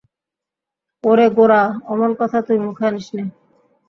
ওরে গোরা, অমন কথা তুই মুখে আনিস নে।